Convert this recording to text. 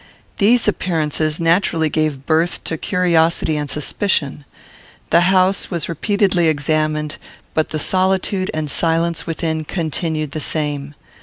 These appearances naturally gave birth to curiosity and suspicion. The house was repeatedly examined, but the solitude and silence within continued the same.